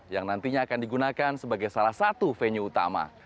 yang nantinya akan digunakan sebagai salah satu venue utama